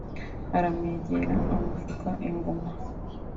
aramwegera amupfuka inguma